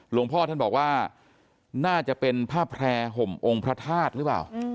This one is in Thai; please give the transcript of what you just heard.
หลวงพ่อท่านบอกว่าน่าจะเป็นผ้าแพร่ห่มองค์พระธาตุหรือเปล่า